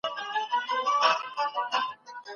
کله یوازي اورېدل تر ټولو لویه خواخوږي وي؟